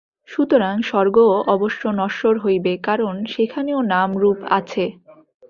সুতরাং স্বর্গও অবশ্য নশ্বর হইবে, কারণ সেখানেও নাম-রূপ আছে।